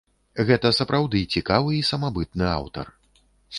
Гэта сапраўды цікавы і самабытны аўтар.